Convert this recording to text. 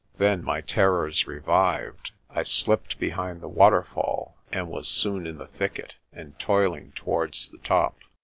Then my terrors revived, I slipped behind the waterfall and was soon in the thicket, and toiling towards the top.